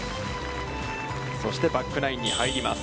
そして、バックナインに入ります。